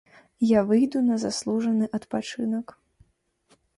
Я выйду на заслужаны адпачынак.